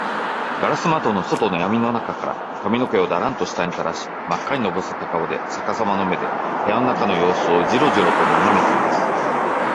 ガラス窓の外のやみの中から、髪かみの毛をダランと下にたらし、まっかにのぼせた顔で、さかさまの目で、部屋の中のようすをジロジロとながめています。